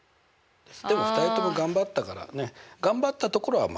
でも２人とも頑張ったからね頑張ったところは丸。